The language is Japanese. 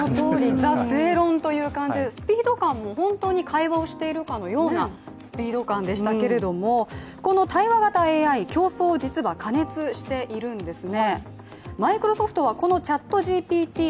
ＴＨＥ正論という感じで、スピード感も本当に対話をしているかのようなスピード感でしたけれどもこの対話型ＡＩ、競争が実は過熱しているんですね。